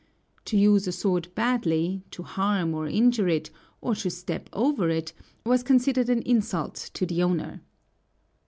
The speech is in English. To use a sword badly, to harm or injure it, or to step over it, was considered an insult to the owner.